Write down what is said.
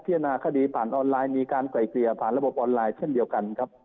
นาคดีผ่านออนไลน์มีการไกล่เกลี่ยผ่านระบบออนไลน์เช่นเดียวกันครับ